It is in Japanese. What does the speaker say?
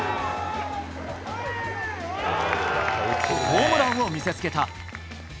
ホームランを見せつけた。